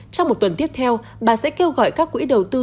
trong một tuần tiếp theo bà sẽ kêu gọi các quỹ đầu tư